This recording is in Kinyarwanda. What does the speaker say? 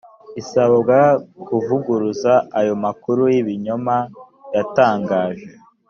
isabwa kuvuguruza ayo makuru y ibinyoma yatangaje